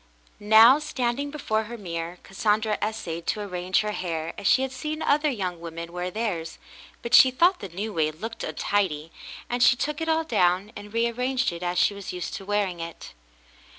Now, standing before her mirror, Cassandra essayed to arrange her hair as she had seen other young women wear theirs, but she thought the new way looked untidy, and she took it all down and rearranged it as she was used to wear it.